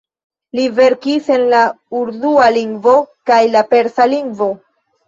Li verkis en la urdua lingvo kaj la persa lingvo.